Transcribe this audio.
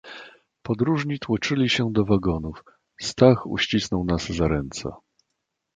"Podróżni tłoczyli się do wagonów; Stach uścisnął nas za ręce."